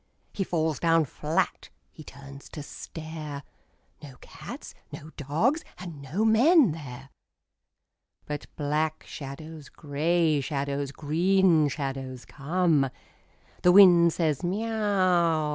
He falls down flat. H)e turns to stare — No cats, no dogs, and no men there. But black shadows, grey shadows, green shadows come. The wind says, " Miau